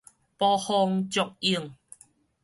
捕風捉影